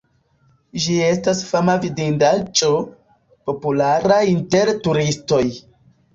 Ĝi estas fama vidindaĵo, populara inter turistoj.